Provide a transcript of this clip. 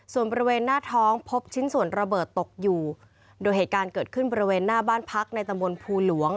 ส่วนบริเวณหน้าท้องพบชิ้นส่วนระเบิดตกอยู่โดยเหตุการณ์เกิดขึ้นบริเวณหน้าบ้านพักในตำบลภูหลวง